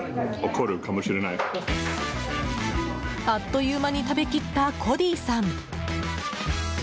あっという間に食べきったコディさん。